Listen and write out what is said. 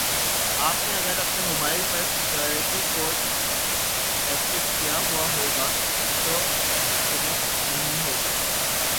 آپ نے اگر اپنے موبائل پر سیکیوریٹی کوڈ ایکٹیو کیا ہوا ہوگا تو کنیکٹ نہیں ہوگا